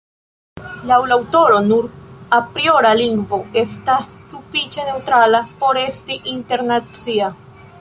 Laŭ la aŭtoro, nur apriora lingvo estas sufiĉe neŭtrala por esti internacia.